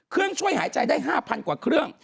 เครื่องช่วยหายใจได้๕๐๐กว่าเครื่อง